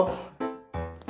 biasa dipanggil ibob